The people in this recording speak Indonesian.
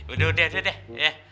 udah udah deh deh